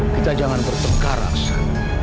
kita jangan bertengkar aksan